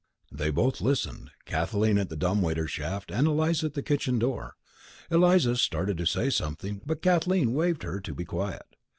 They both listened, Kathleen at the dumb waiter shaft and Eliza at the kitchen door. Eliza started to say something, but Kathleen waved her to be quiet.